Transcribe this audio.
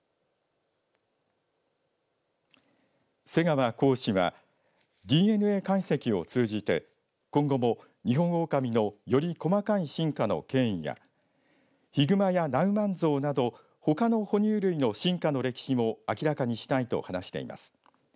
瀬川講師はＤＮＡ解析を通じて今後もニホンオオカミのより細かい進化の経緯やヒグマやナウマンゾウなどほかの哺乳類の進化の歴史も明らかにしたいと話しています。